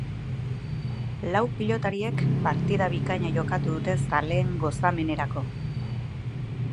Lau pilotariek partida bikaina jokatu dute zaleen gozamenerako.